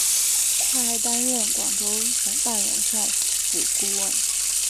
他还担任广州大元帅府顾问。